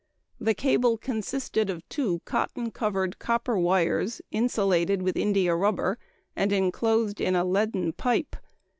The cable consisted of two cotton covered copper wires, insulated with india rubber, and enclosed in a leaden pipe.